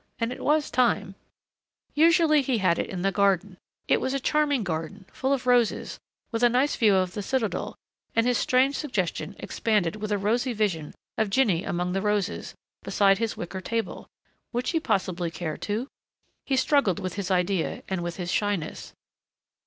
And it was time Usually he had it in the garden. It was a charming garden, full of roses, with a nice view of the Citadel and his strange suggestion expanded with a rosy vision of Jinny among the roses, beside his wicker table.... Would she possibly care to ? He struggled with his idea and with his shyness.